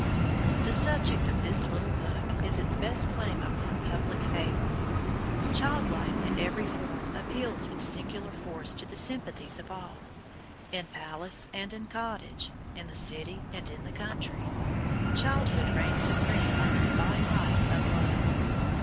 The subject of this little book is its best claim upon public favor. Child life in every form appeals with singular force to the sympathies of all. In palace and in cottage, in the city and in the country, childhood reigns supreme by the divine right of love.